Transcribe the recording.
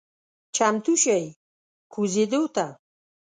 چمتو شئ کوزیدو ته…